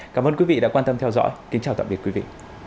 cảm ơn quý vị đã quan tâm theo dõi kính chào tạm biệt quý vị